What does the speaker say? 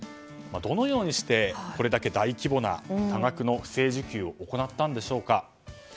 どのようにしてこれだけ大規模な多額の不正受給を行ったんでしょうか。